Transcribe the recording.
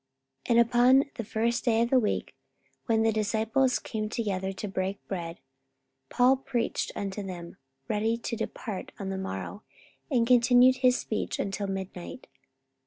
44:020:007 And upon the first day of the week, when the disciples came together to break bread, Paul preached unto them, ready to depart on the morrow; and continued his speech until midnight.